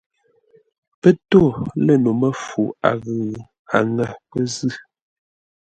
Pə́ tô lə́ no məfu a ghʉ̂, a ŋə̂ pə́ zʉ̂.